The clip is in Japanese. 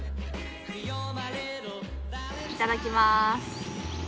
いただきます。